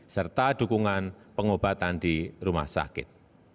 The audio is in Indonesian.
serta dukungan pengobatan di rumah sakit